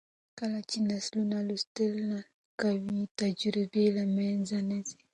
کله چې نسلونه لوستل کوي، تجربې له منځه نه ځي.